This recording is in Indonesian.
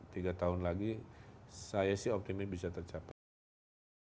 tiga tahun lagi saya sih optimis bisa tercapai